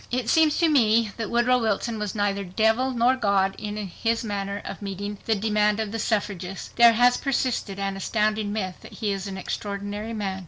It seems to me that Woodrow Wilson was neither devil nor God in his manner of meeting the demand of the suffragists. There has persisted an astounding myth that he is an extraordinary man.